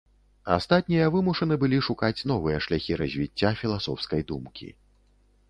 Астатнія вымушаны былі шукаць новыя шляхі развіцця філасофскай думкі.